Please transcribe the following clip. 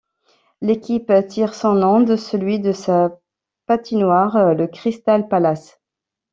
L'équipe tire son nom de celui de sa patinoire, le Crystal Palace.